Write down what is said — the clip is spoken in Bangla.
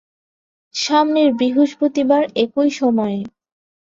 সামনের বৃহস্পতিবার, একই সময়ে।